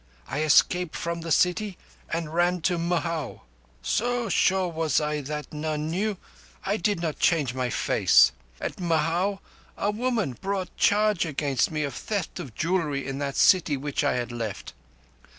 I escaped from the city and ran to Mhow. So sure was I that none knew, I did not change my face. At Mhow a woman brought charge against me of theft of jewellery in that city which I had left.